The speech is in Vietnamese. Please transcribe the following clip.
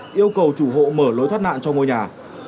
yêu cầu chủ hộ mở lối thoát nạn cho ngôi nhà